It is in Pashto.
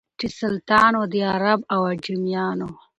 چي سلطان وو د عرب او عجمیانو